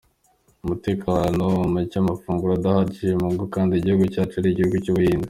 Umutekano muke, amafunguro adahagije mu ngo kandi igihugu cyacu ari igihugu cy’ubuhinzi.